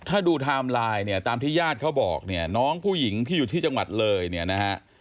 ถ้าดูไทม์ไลน์เนี่ยตามที่ญาติเขาบอกเนี่ยน้องผู้หญิงที่อยู่ที่จังหวัดเลยเนี่ยนะฮะ